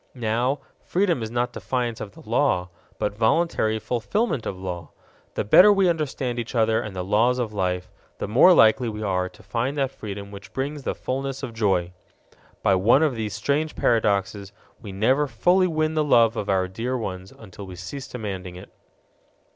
Now, freedom is not defiance of law, but voluntary fulfillment of law. The better we understand each other and the laws of life, the more likely we are to find that freedom which brings the fullness of joy. By one of those strange paradoxes, we never fully win the love of our dear ones until we cease demanding it.